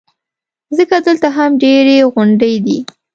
ځکه دلته هم ډېرې غونډۍ دي.